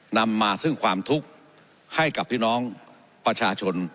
นำมาซึ่งความทุกข์ให้กับพี่น้องประชาชน